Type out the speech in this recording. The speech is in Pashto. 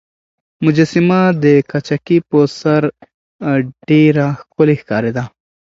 مجسمه د تاقچې په سر ډېره ښکلې ښکارېده.